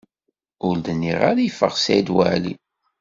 Ur d-nniɣ ara ifeɣ Saɛid Waɛli.